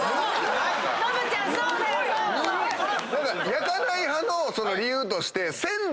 焼かない派の理由として。